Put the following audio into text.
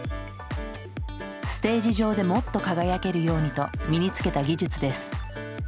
ステージ上でもっと輝けるようにと身につけた技術です。